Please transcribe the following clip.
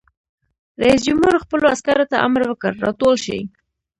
رئیس جمهور خپلو عسکرو ته امر وکړ؛ راټول شئ!